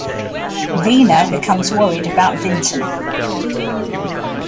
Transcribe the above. Wiener becomes worried about Vinton.